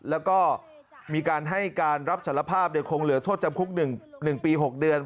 แล้วก็มีการให้การรับสารภาพคงเหลือโทษจำคุก๑ปี๖เดือน